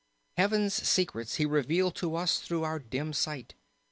Heaven's secrets he revealed to us through our dim sight.